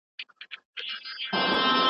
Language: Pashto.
قرآن د لارښوونې کتاب دی.